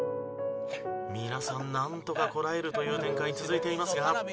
皆さんなんとかこらえるという展開続いていますが。